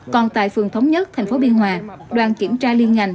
còn tại phường thống nhất thành phố biên hòa đoàn kiểm tra liên ngành